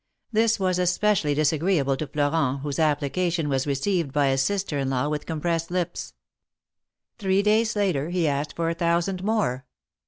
This was especially dis agreeable to Florent, whose application was received by his sister in law with compressed lips. Three days later he asked for a thousand more.